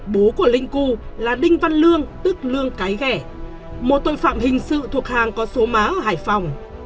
bố của linh cu là đinh văn lương tức lương cái ghẻ một tội phạm hình sự thuộc hàng có số má ở hải phòng